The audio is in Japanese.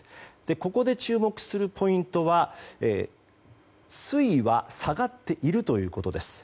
ここで注目するポイントは水位は下がっているということです。